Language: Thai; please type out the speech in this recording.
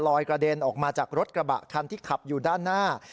กระเด็นออกมาจากรถกระบะคันที่ขับอยู่ด้านหน้า